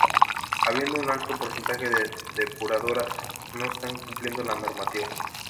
habiendo un alto porcentaje de depuradoras no están cumpliendo la normativa